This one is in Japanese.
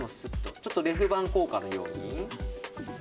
ちょっとレフ板効果のように。